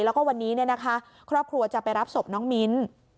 แล้วก็วันนี้ครอบครัวจะไปรับศพน้องมิ้น